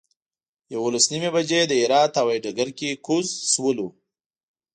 یولس نیمې بجې د هرات هوایي ډګر کې کوز شولو.